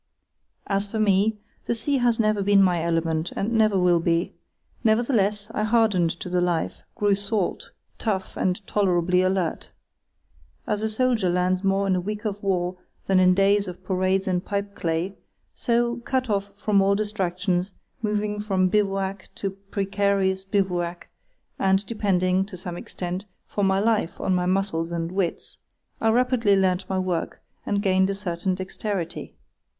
As for me, the sea has never been my element, and never will be; nevertheless, I hardened to the life, grew salt, tough, and tolerably alert. As a soldier learns more in a week of war than in years of parades and pipeclay, so, cut off from all distractions, moving from bivouac to precarious bivouac, and depending, to some extent, for my life on my muscles and wits, I rapidly learnt my work and gained a certain dexterity.